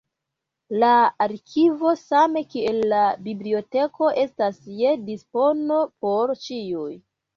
La arkivo same kiel la biblioteko estas je dispono por ĉiuj.